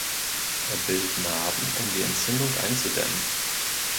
Er bildet Narben, um die Entzündung einzudämmen.